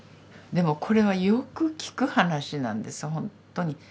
でもこれはよくきく話なんですほんとに。